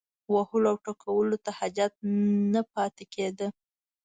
وهلو او ټکولو ته حاجت نه پاتې کېده.